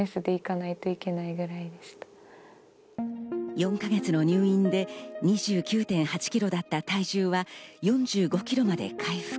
４か月の入院で２９．８ｋｇだった体重は４５ｋｇまで回復。